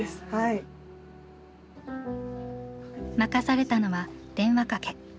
任されたのは電話かけ。